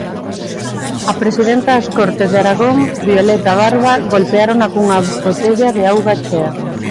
Á presidenta das Cortes de Aragón, Violeta Barba, golpeárona cunha botella de auga chea.